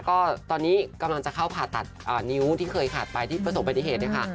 ก็ตอนนี้กำลังจะเข้าผ่าตัดนิ้วที่เคยขาดไปที่ประสบปฏิเหตุเนี่ยค่ะ